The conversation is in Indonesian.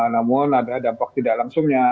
namun ada dampak tidak langsungnya